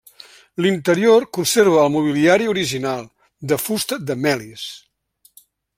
L'interior conserva el mobiliari original, de fusta de melis.